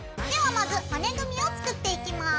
まず骨組みを作っていきます。